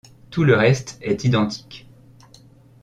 Tout le reste est identique.